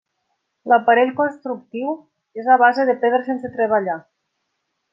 L'aparell constructiu és a base de pedra sense treballar.